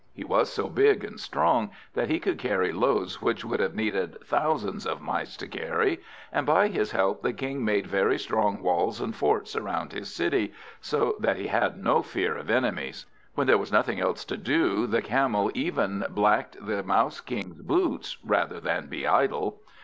He was so big and strong that he could carry loads which would have needed thousands of Mice to carry; and by his help the King made very strong walls and forts around his city, so that he had no fear of enemies. When there was nothing else to do, the Camel even blacked the Mouse King's boots, rather than be idle.